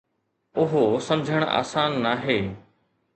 اهو سمجهڻ آسان ناهي.